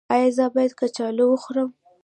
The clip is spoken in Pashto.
ایا زه باید کچالو وخورم؟